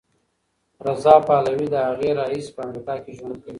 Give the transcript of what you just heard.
رضا پهلوي له هغې راهیسې په امریکا کې ژوند کوي.